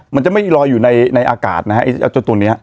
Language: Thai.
มันจะไม่ลอยอยู่ในอากาศนะฮะจนตรงนี้